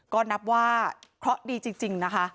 ก็นับว่าเคราะห์ดีจริงนะคะ